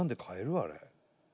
あれ。